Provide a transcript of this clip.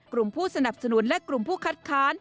กลุ่มผู้สนับสนุนและกลุ่มผู้คัดค้าน